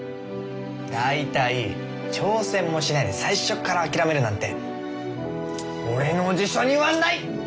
大体挑戦もしないで最初から諦めるなんて俺の辞書にはない！